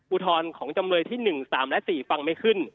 อุทธรณ์ของจำเลยที่๑๓และ๔ฟังไม่ขึ้น